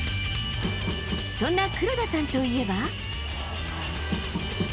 そんな黒田さんといえば。